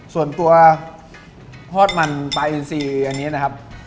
ส่วนตัวทอดมันปลาอินซีอันนี้นะครับ